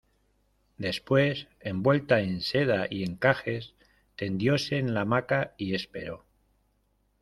después envuelta en seda y encajes, tendióse en la hamaca y esperó: